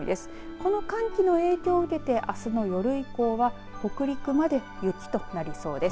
この寒気の影響を受けてあすの夜以降は北陸まで雪となりそうです。